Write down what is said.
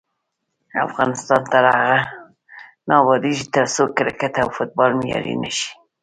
افغانستان تر هغو نه ابادیږي، ترڅو کرکټ او فوټبال معیاري نشي.